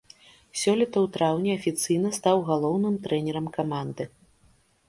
Сёлета ў траўні афіцыйна стаў галоўным трэнерам каманды.